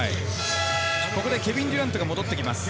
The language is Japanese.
ここでケビン・デュラントが戻ってきます。